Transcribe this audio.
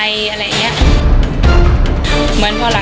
สวัสดีครับทุกคน